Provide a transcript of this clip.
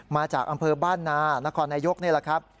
มาจากอำเภอบ้านนานครนายกนี่แหละครับ